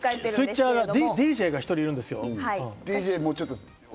スイッチャー、ＤＪが１人いるんですよ。